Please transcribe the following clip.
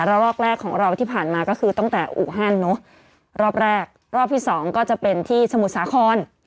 ลอกแรกของเราที่ผ่านมาก็คือตั้งแต่อูฮันเนอะรอบแรกรอบที่สองก็จะเป็นที่สมุทรสาคร